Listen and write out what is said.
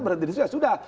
berarti di situ ya sudah